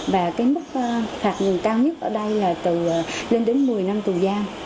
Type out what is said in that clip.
và cái mức phạt ngừng cao nhất ở đây là từ lên đến một mươi năm tù giam